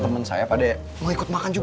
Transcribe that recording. apa masalahnya pengen ikut tentang uang